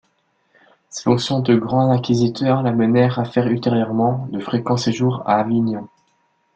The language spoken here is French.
Ses fonctions de grand inquisiteur l'amenèrent à faire ultérieurement de fréquents séjours à Avignon.